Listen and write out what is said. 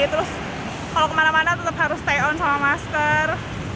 terus kalau kemana mana tetap harus stay on sama masker